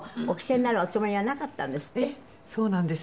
「ええそうなんです」